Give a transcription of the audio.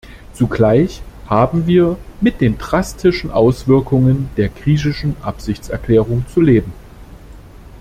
Zugleich haben wir mit den drastischen Auswirkungen der griechischen Absichtserklärung zu leben.